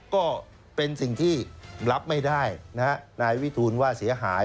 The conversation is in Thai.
ก็เป็นสิ่งที่รับไม่ได้นะฮะนายวิทูลว่าเสียหาย